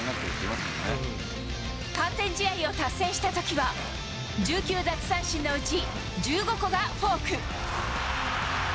完全試合を達成したときは、１９奪三振のうち１５個がフォーク。